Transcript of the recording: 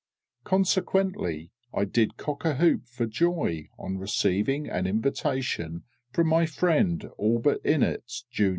Consequently I did cock a hoop for joy on receiving an invitation from my friend ALLBUTT INNETT, Jun.